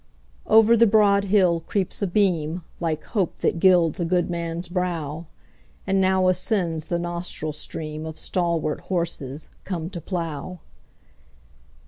Over the broad hill creeps a beam, Like hope that gilds a good man's brow; 10 And now ascends the nostril stream Of stalwart horses come to plough.